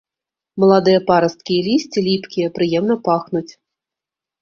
Маладыя парасткі і лісце ліпкія, прыемна пахнуць.